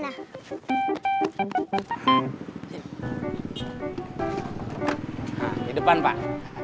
nah di depan pak